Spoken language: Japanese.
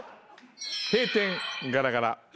閉店ガラガラ。